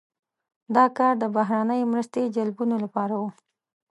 دا کار د بهرنۍ مرستې جلبولو لپاره و.